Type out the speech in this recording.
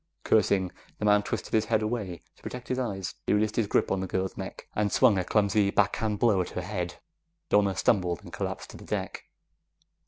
Cursing, the man twisted his head away to protect his eyes. He released his grip on the girl's neck and swung a clumsy, backhand blow at her head. Donna stumbled, and collapsed to the deck.